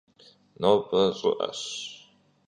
Nobe ş'ı'eş.